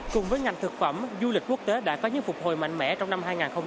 cùng với ngành thực phẩm du lịch quốc tế đã có những phục hồi mạnh mẽ trong năm hai nghìn hai mươi ba